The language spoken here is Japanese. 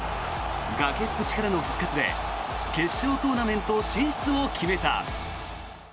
崖っぷちからの復活で決勝トーナメント進出を決めた。